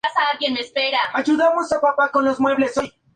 Taylor-Joy nació en Miami, Florida, como la más joven de seis hermanos.